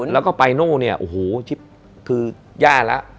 แล้วก็ไปโน่เนี่ยโอ้โหชิปคือย่าแล้ว